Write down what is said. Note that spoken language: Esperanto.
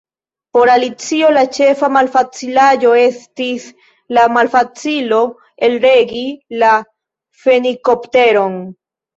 Por Alicio la ĉefa malfacilo estis la malfacilo elregi la fenikopteron.